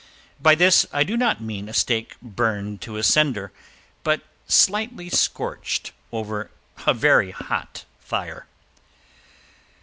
By this I do not mean a steak burned to a cinder, but slightly scorched over a very hot fire.